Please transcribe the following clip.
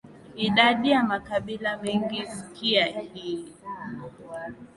Idadi ya makabila mengi Sikia hii